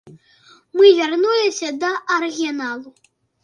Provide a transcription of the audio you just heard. Мы вярнуліся да арыгіналу.